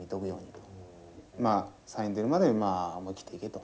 まあサイン出るまでまあ思い切っていけと。